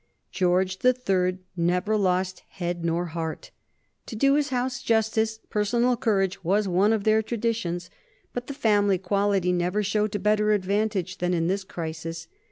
George the Third never lost head nor heart. To do his House justice, personal courage was one of their traditions, but the family quality never showed to better advantage than in this crisis.